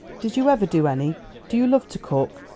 Did you ever do any? Do you love to cook?